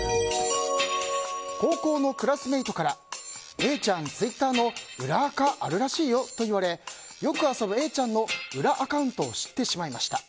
高校のクラスメートからＡちゃんツイッターの裏アカあるらしいよと言われよく遊ぶＡちゃんの裏アカウントを知ってしまいました。